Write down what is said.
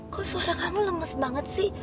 kok suara kamu lemes banget sih